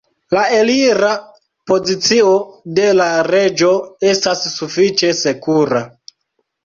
La elira pozicio de la reĝo estas sufiĉe sekura.